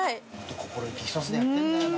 心意気ひとつでやってんだよな。